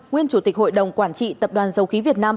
nguyên chủ tịch hội đồng quản trị tập đoàn dầu khí việt nam